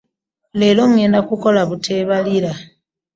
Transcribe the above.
Leero ŋŋenda kukola buteebalira.